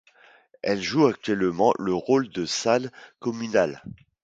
Elle joue actuellement le rôle de salle communale.